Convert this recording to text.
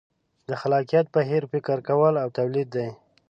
د خلاقیت بهیر فکر کول او تولید دي.